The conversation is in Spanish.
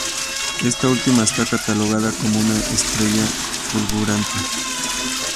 Esta última está catalogada como una estrella fulgurante.